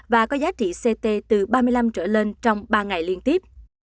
và có giá trị ct từ ba mươi năm trở lên trong ba ngày liên tiếp